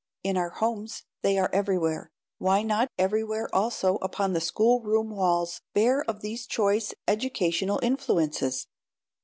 In our homes they are everywhere. Why not everywhere also upon schoolroom walls bare of these choice educational influences?